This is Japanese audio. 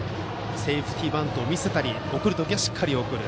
セーフティーバントを見せたり送る時はしっかり送る。